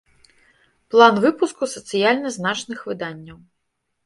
План выпуску сацыяльна значных выданняў